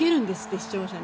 視聴者に。